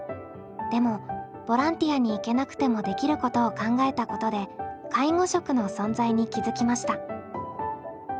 でもボランティアに行けなくてもできることを考えたことで介護食の存在に気付きました。